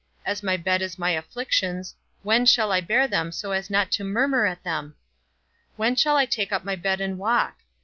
As my bed is my afflictions, when shall I bear them so as not to murmur at them? When shall I take up my bed and walk?